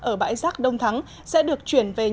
ở bãi rác đông thắng sẽ được chuyển về nhà